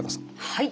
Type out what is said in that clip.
はい。